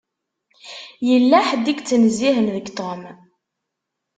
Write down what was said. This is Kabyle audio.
Yella ḥedd i yettnezzihen deg Tom.